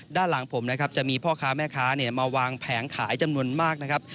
ด้านหลังผมนะครับจะมีพ่อค้าแม่ค้ามาวางแผงขายจำนวนมากนะครับ